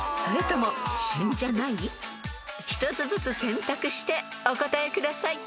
［１つずつ選択してお答えください］